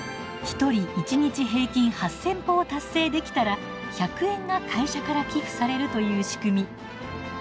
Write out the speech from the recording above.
１人１日平均８，０００歩を達成できたら１００円が会社から寄付されるという仕組み。